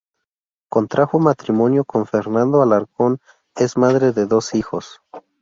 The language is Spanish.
Contrajo matrimonio con Fernando Alarcón, es madre de dos hijos.